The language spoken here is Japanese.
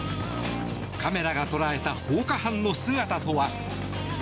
カメラが捉えた放火犯の姿とは。